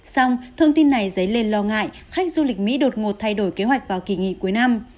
xong thông tin này dấy lên lo ngại khách du lịch mỹ đột ngột thay đổi kế hoạch vào kỳ nghỉ cuối năm